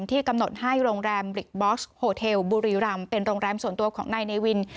ที่กำหนดให้โรงแรมบริกบอสโฮเทลบุรีรำเป็นโรงแรมส่วนตัวของนายเนวิน